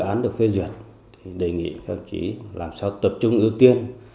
dự án được phê duyệt đề nghị các chí làm sao tập trung ưu tiên